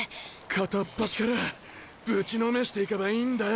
片っ端からぶちのめしていけばいいんだよ。